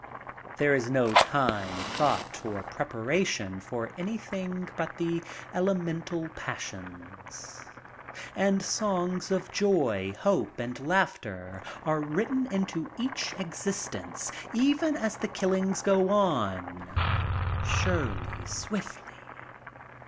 There is no time, thought, or preparation for anything but the elemental passions, and songs of joy, hope, and laughter are written into each exist ence, even as the killings go on, surely, swiftly.